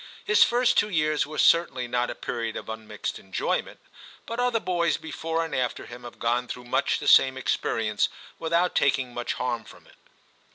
His first two years were certainly not a period of unmixed enjoyment ; but other boys before and after him have gone through much the same ex perience without taking much harm from it.